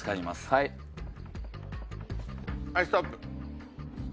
はいストップ。